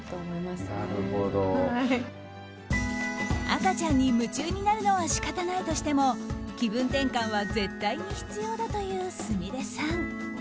赤ちゃんに夢中になるのは仕方ないとしても気分転換は絶対に必要だというすみれさん。